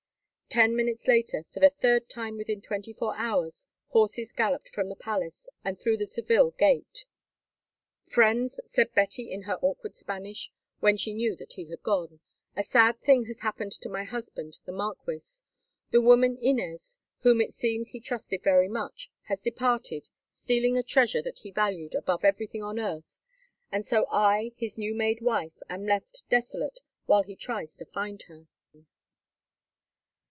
Ten minutes later, for the third time within twenty four hours, horses galloped from the palace and through the Seville gate. "Friends," said Betty in her awkward Spanish, when she knew that he had gone, "a sad thing has happened to my husband, the marquis. The woman Inez, whom it seems he trusted very much, has departed, stealing a treasure that he valued above everything on earth, and so I, his new made wife, am left desolate while he tries to find her."